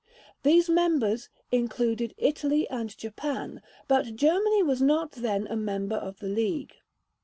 These members included Italy and Japan, but Germany was not then a member of the League.